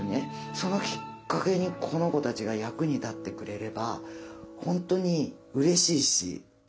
そのきっかけにこの子たちが役に立ってくれれば本当にうれしいし。